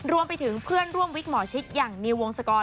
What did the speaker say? รวมไปถึงเพื่อนร่วมวิกหมอชิตอย่างนิววงศกร